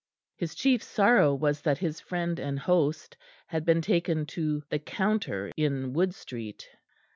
His chief sorrow was that his friend and host had been taken to the Counter in Wood Street.